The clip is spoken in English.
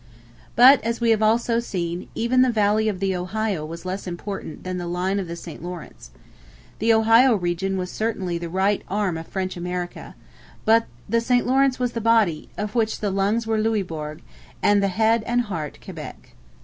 But, as we have also seen, even the valley of the Ohio was less important than the line of the St Lawrence. The Ohio region was certainly the right arm of French America. But the St Lawrence was the body, of which the lungs were Louisbourg, and the head and heart Quebec.